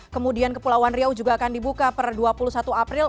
kemudian kepulauan riau juga akan dibuka per dua puluh satu april